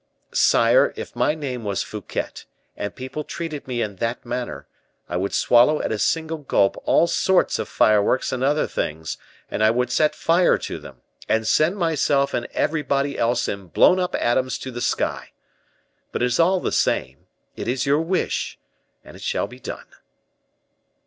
_ Sire, if my name was Fouquet, and people treated me in that manner, I would swallow at a single gulp all sorts of fireworks and other things, and I would set fire to them, and send myself and everybody else in blown up atoms to the sky. But it is all the same; it is your wish, and it shall be done."